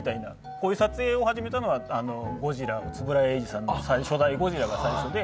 こういう撮影を始めたのは円谷英二さんの初代の「ゴジラ」が最初で。